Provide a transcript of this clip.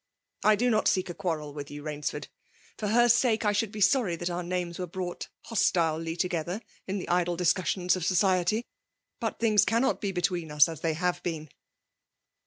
I do i^ot seek a quarrel with you^ Rainsford. For her sake, I should be sorry that our names were brought hostilely together in the idle discussions of society. But things cannot be between us as they have been."